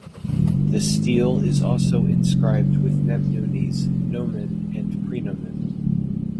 The stele is also inscribed with Nebnuni's nomen and prenomen.